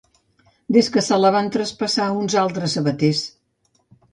Des que se la van traspassar a uns altres sabaters.